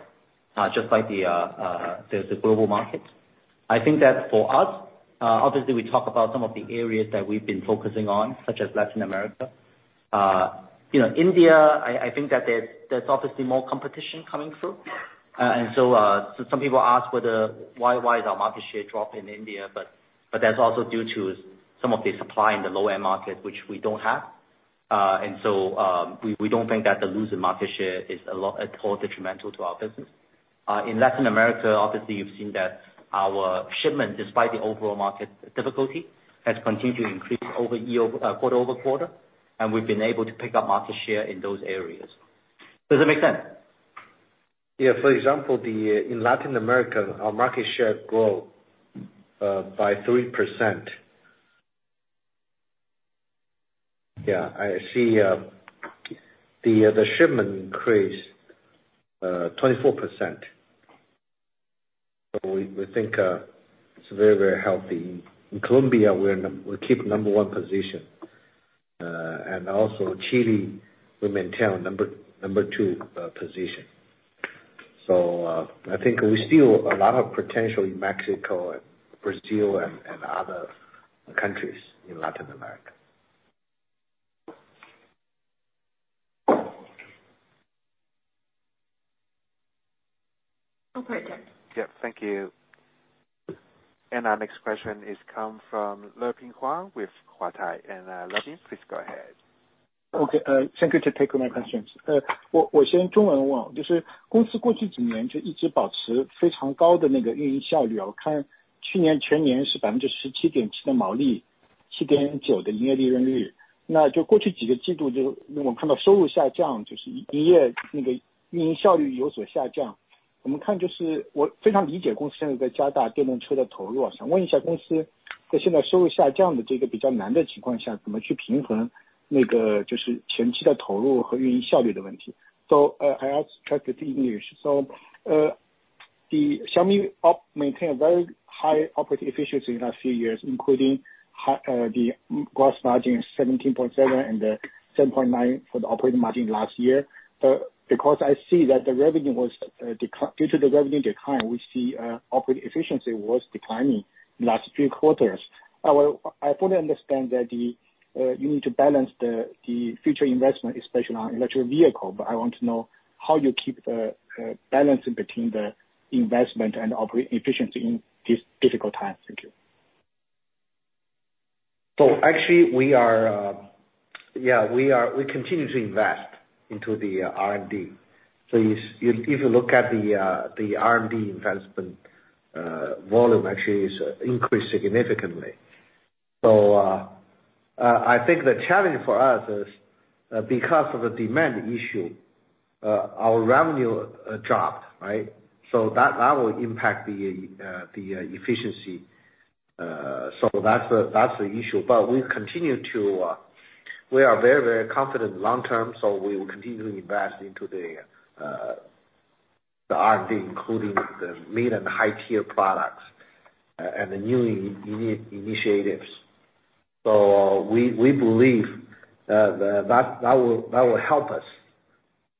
D: just like the global market. I think that for us, obviously we talk about some of the areas that we've been focusing on, such as Latin America. You know, India, I think that there's obviously more competition coming through. Some people ask why our market share drop in India, but that's also due to some of the supply in the lower market, which we don't have. We don't think that the loss in market share is at all detrimental to our business. In Latin America, obviously, you've seen that our shipment, despite the overall market difficulty, has continued to increase quarter-over-quarter, and we've been able to pick up market share in those areas. Does that make sense?
C: Yeah. For example, in Latin America, our market share grow by 3%. Yeah. I see the shipment increase 24%. We think it's very healthy. In Colombia, we keep number one position. Also Chile, we maintain number two position. I think we see a lot of potential in Mexico and Brazil and other countries in Latin America.
A: Yeah. Thank you. Our next question comes from Leping Huang with Huatai. Leping, please go ahead.
K: Thank you to take my questions. I ask translated to English. The Xiaomi maintain very high operating efficiency in last few years, including the gross margin 17.7% and the 7.9% for the operating margin last year. Because I see that the revenue was due to the revenue decline, we see operating efficiency was declining in last three quarters. Well, I fully understand that you need to balance the future investment, especially on electric vehicle, but I want to know how you keep the balance in between the investment and operate efficiency in these difficult times. Thank you.
C: Actually we continue to invest into the R&D. If you look at the R&D investment volume actually is increased significantly. I think the challenge for us is because of the demand issue our revenue dropped, right? That will impact the efficiency. That's the issue. We are very confident long term we will continue to invest into the R&D, including the mid-and high-tier products and the new initiatives. We believe that will help us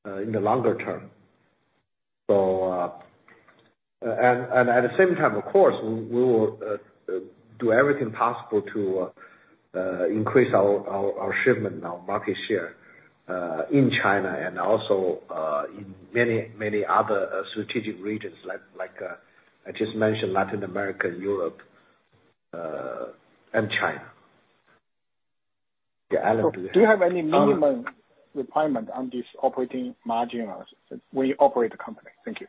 C: in the longer term. At the same time, of course, we will do everything possible to increase our shipment and our market share in China and also in many other strategic regions like I just mentioned Latin America and Europe and China. Yeah, Alain.
K: Do you have any minimum requirement on this operating margin as we operate the company? Thank you.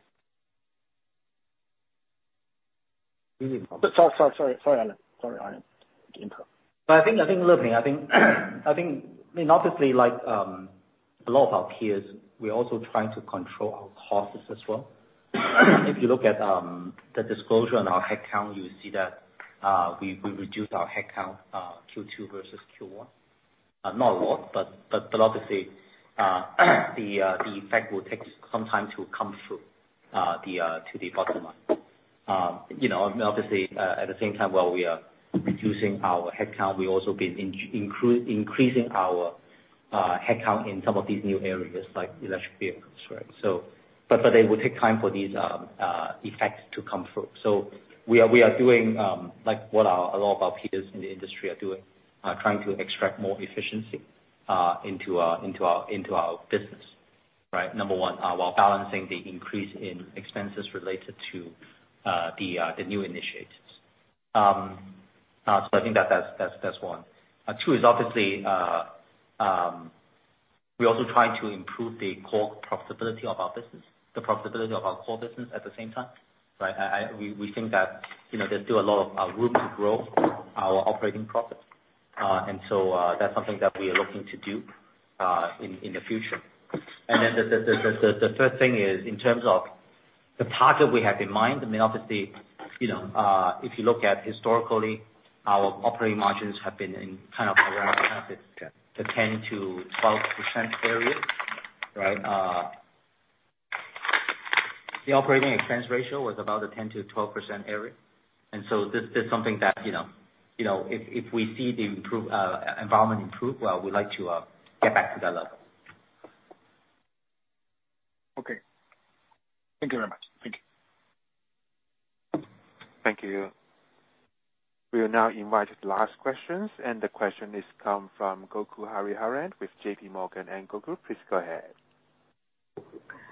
K: Sorry, Alain.
D: I think, Leping, I mean, obviously like, a lot of our peers, we are also trying to control our costs as well. If you look at the disclosure on our head count, you'll see that we reduced our head count Q2 versus Q1. Not a lot, but obviously the effect will take some time to come through to the bottom line. You know, obviously, at the same time, while we are reducing our head count, we also been increasing our head count in some of these new areas like electric vehicles, right? It will take time for these effects to come through. We are doing like what a lot of our peers in the industry are doing, trying to extract more efficiency into our business, right? Number one, while balancing the increase in expenses related to the new initiatives. I think that's one. Two is obviously, we're also trying to improve the core profitability of our business, the profitability of our core business at the same time, right? We think that, you know, there's still a lot of room to grow our operating profits. That's something that we are looking to do in the future. The third thing is in terms of the target we have in mind, I mean, obviously, you know, if you look at historically, our operating margins have been in kind of around the 10%-12% area, right? The operating expense ratio was about a 10%-12% area. This is something that, you know, if we see the environment improve, well, we'd like to get back to that level.
K: Okay. Thank you very much. Thank you.
A: Thank you. We will now invite last questions, and the question is come from Gokul Hariharan with J.P. Morgan. Please go ahead.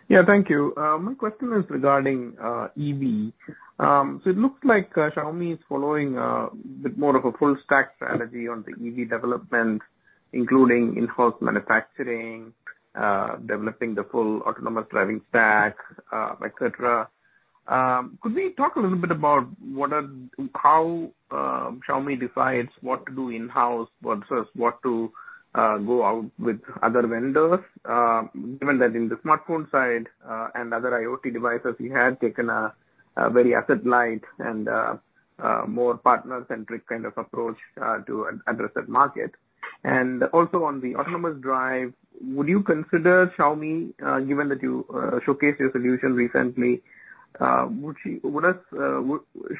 L: Yeah. Thank you. My question is regarding EV. So it looks like Xiaomi is following a bit more of a full stack strategy on the EV development, including in-house manufacturing, developing the full autonomous driving stack, et cetera. Could we talk a little bit about how Xiaomi decides what to do in-house, what to go out with other vendors, given that in the smartphone side, and other IoT devices you had taken a very asset light and more partner-centric kind of approach, to address that market. Also on the autonomous driving, given that you showcased your solution recently,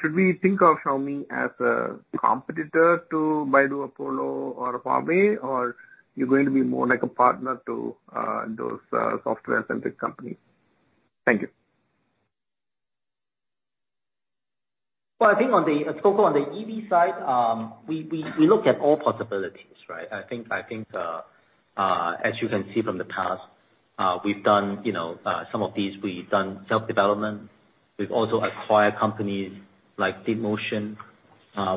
L: should we think of Xiaomi as a competitor to Baidu Apollo or Huawei, or you're going to be more like a partner to those software-centric companies? Thank you.
D: Well, I think on the Gokul, on the EV side, we look at all possibilities, right? I think as you can see from the past, we've done, you know, some of these we've done self-development. We've also acquired companies like DeepMotion.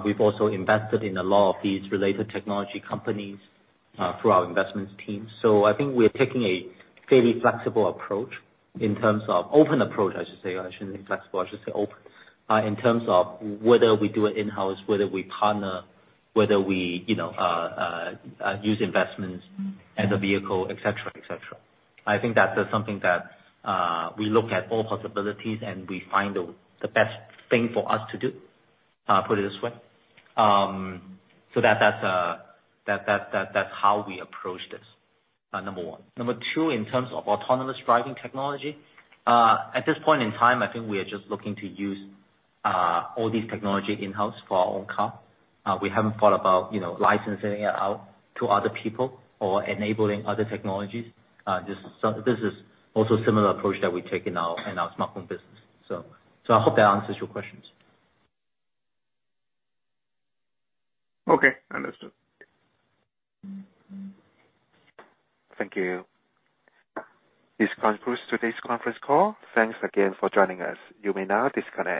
D: We've also invested in a lot of these related technology companies through our investments team. I think we're taking a fairly flexible approach in terms of open approach, I should say. I shouldn't say flexible, I should say open in terms of whether we do it in-house, whether we partner, whether we, you know, use investments as a vehicle, et cetera, et cetera. I think that's something that we look at all possibilities and we find the best thing for us to do, put it this way. That's how we approach this, number one. Number two, in terms of autonomous driving technology, at this point in time, I think we are just looking to use all these technology in-house for our own car. We haven't thought about, you know, licensing it out to other people or enabling other technologies. This is also similar approach that we take in our smartphone business. I hope that answers your questions.
L: Okay. Understood.
A: Thank you. This concludes today's conference call. Thanks again for joining us. You may now disconnect.